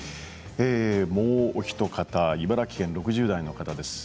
もうひと方茨城県６０代の方です。